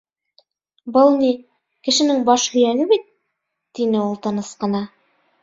— Был ни, кешенең баш һөйәге бит, — тине ул тыныс ҡына.